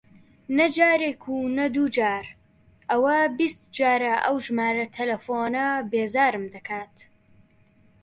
نە جارێک و نە دوو جار، ئەوە بیست جارە ئەو ژمارە تەلەفۆنە بێزارم دەکات.